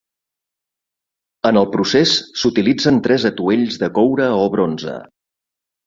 En el procés s'utilitzen tres atuells de coure o bronze.